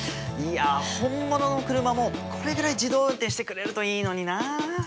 いや本物の車もこれぐらい自動運転してくれるといいのになあ。